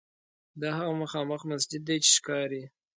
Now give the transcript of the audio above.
دا هغه مخامخ مسجد دی چې ښکاري.